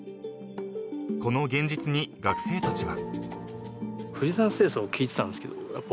［この現実に学生たちは？］